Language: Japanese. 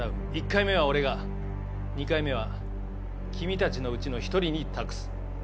１回目は俺が２回目は君たちのうちの１人に託す。